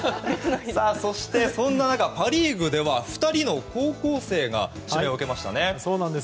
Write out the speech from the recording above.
そして、そんな中パ・リーグでは２人の高校生が指名を受けましたね。